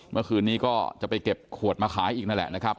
เมื่อคืนนี้ก็จะไปเก็บขวดมาขายอีกนั่นแหละนะครับ